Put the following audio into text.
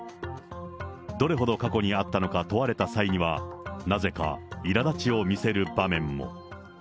どれほど過去にあったのか問われた際には、なぜかいら立ちを見せる場面も。